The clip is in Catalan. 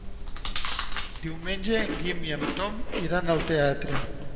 Diumenge en Guim i en Tom iran al teatre.